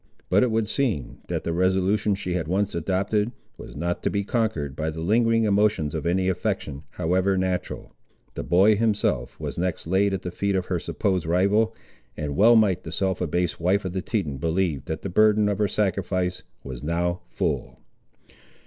But it would seem, that the resolution, she had once adopted, was not to be conquered by the lingering emotions of any affection, however natural. The boy himself was next laid at the feet of her supposed rival, and well might the self abased wife of the Teton believe that the burden of her sacrifice was now full.